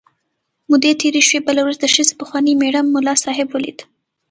مودې تېرې شوې، بله ورځ د ښځې پخواني مېړه ملا صاحب ولید.